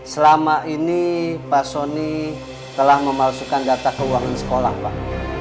selama ini pak soni telah memalsukan data keuangan sekolah pak